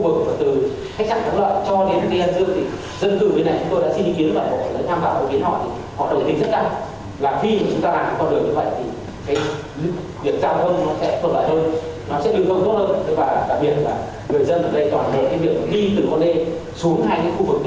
và đảm biệt là người dân ở đây toàn bộ cái việc đi từ con đê xuống hai cái khu vực đê này chúng ta đi tổ chức